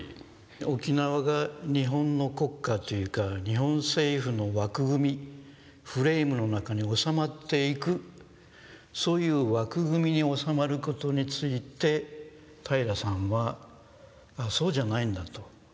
沖縄が日本の国家っていうか日本政府の枠組みフレームの中に収まっていくそういう枠組みに収まることについて平良さんはあぁそうじゃないんだと。